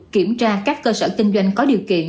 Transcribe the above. kiểm tra các cơ sở kinh doanh có điều kiện